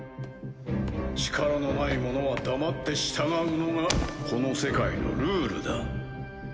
力のない者は黙って従うのがこの世界のルールだ。